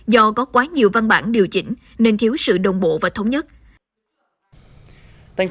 do có quá nhiều văn bản điều chỉnh nên thiếu sự đồng bộ và thống nhất